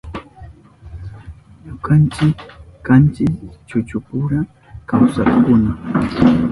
Ñukanchi kanchi kuchupuru kawsakkuna.